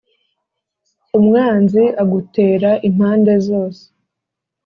Umwanzi agutera impande zose